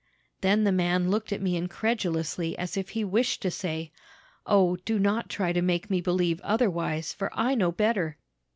"Then the man looked at me incredulously, as if he wished to say, 'O, do not try to make me believe otherwise, for I know better!'